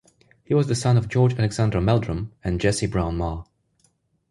He was the son of George Alexander Meldrum and Jessie Brown Marr.